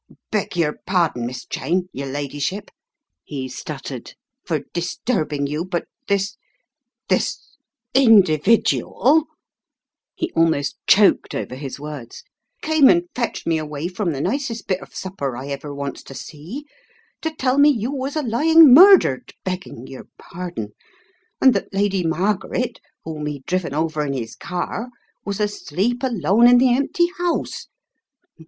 "Beg yer pardon, Miss Cheyne, yer ladyship/' he stuttered "for disturbing you — but this — this — individual —," he almost choked over his words — "came and fetched me away from the nicest bit of supper I ever wants to see, to tell me you was a lying murdered, begging yer pardon, and that Lady Mar garet, whom he'd driven over in his car, was asleep alone in the empty house.